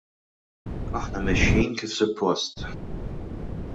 Aħna mexjin kif suppost.